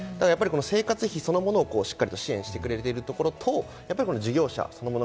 生活費そのものをしっかりと支援してくれているところと事業者そのもの